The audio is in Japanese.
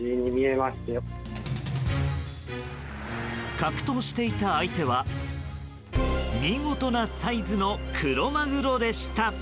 格闘していた相手は見事なサイズのクロマグロでした。